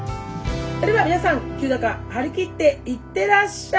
では皆さん張り切っていってらっしゃい！